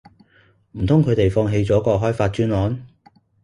唔通佢哋放棄咗個開發專案